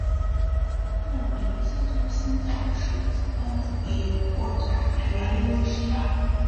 认为基督新教是资本主义扩展原因之一。